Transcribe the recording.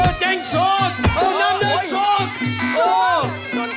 โหเจ๊งสุกโหนำเนินสุก